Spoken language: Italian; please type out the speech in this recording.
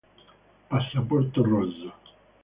Passaporto rosso